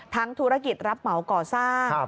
ธุรกิจรับเหมาก่อสร้าง